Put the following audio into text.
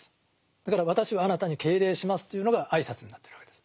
だから「私はあなたに敬礼します」というのが挨拶になってるわけです。